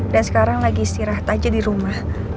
dan sekarang lagi istirahat aja di rumah